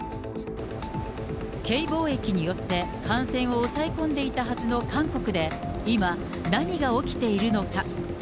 Ｋ防疫によって感染を抑え込んでいたはずの韓国で、今、何が起きているのか。